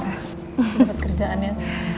dapet kerjaan ya